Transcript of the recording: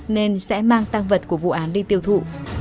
nên sẽ mang tăng vật của vụ án đi tiêu thụ